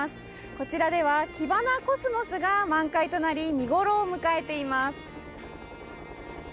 こちらではキバナコスモスが満開となり見ごろを迎えています。